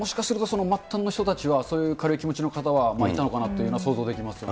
もしかすると、末端の人たちはそういう軽い気持ちの方はいたのかなっていうのは想像できますよね。